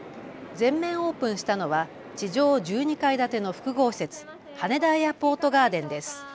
全面オープンしたのは地上１２階建ての複合施設、羽田エアポートガーデンです。